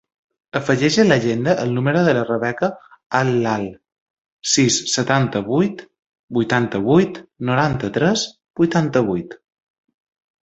Afegeix a l'agenda el número de la Rebeca Al Lal: sis, setanta-vuit, vuitanta-vuit, noranta-tres, vuitanta-vuit.